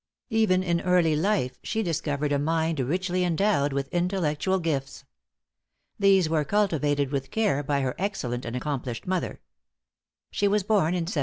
Even in early life she discovered a mind richly endowed with intellectual gifts. These were cultivated with care by her excellent and accomplished mother. She was born in 1739.